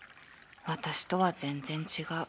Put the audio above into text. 私とは全然違う